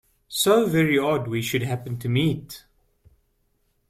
So very odd we should happen to meet!